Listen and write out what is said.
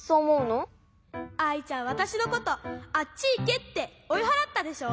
アイちゃんわたしのことあっちいけっておいはらったでしょ？